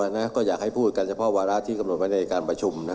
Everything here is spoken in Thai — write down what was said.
คงอยากให้พูดกันเฉพาะวัดรัฐที่กำหนดไว้ในการประชุม